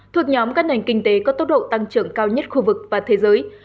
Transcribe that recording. thuộc nhóm các nền kinh tế có tốc độ tăng trưởng cao nhất khu vực và thế giới